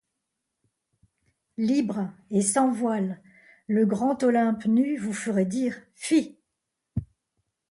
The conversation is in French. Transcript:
Libre et sans voiles, Le grand Olympe nu vous ferait dire : fi !